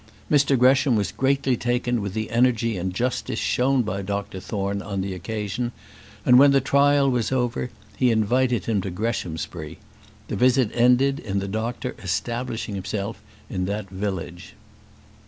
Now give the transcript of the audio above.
Mr Gresham was greatly taken with the energy and justice shown by Dr Thorne on the occasion; and when the trial was over, he invited him to Greshamsbury. The visit ended in the doctor establishing himself in that village.